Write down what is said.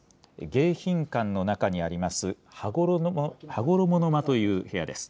迎賓館の中にあります、羽衣の間という部屋です。